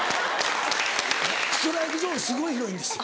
ストライクゾーンすごい広いんです。